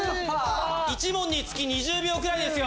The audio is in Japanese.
１問につき２０秒くらいですよ。